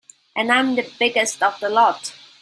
And I'm the biggest of the lot.